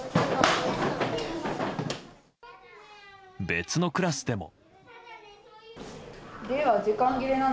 別のクラスでも。